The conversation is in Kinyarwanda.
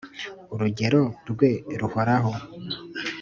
urugero rwe ruhoraho